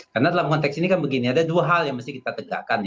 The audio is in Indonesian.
karena dalam konteks ini kan begini ada dua hal yang mesti kita tegakkan ini